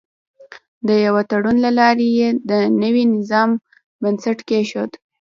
د یوه تړون له لارې یې د نوي نظام بنسټ کېښود.